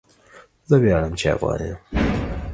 زه وياړم چي افغان یم